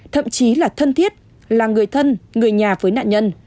thậm chí là thân thiết là người thân người nhà với nạn nhân